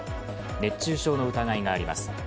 熱中症の疑いがあります。